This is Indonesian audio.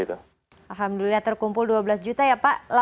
alhamdulillah terkumpul dua belas juta ya pak